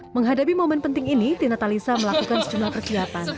menghadapi momen penting ini tina talisa melakukan sejumlah persiapan